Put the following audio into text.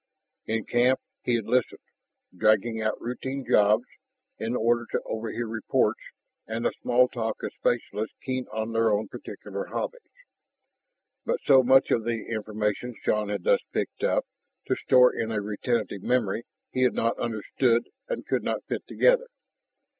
In camp he had listened, dragging out routine jobs in order to overhear reports and the small talk of specialists keen on their own particular hobbies. But so much of the information Shann had thus picked up to store in a retentive memory he had not understood and could not fit together.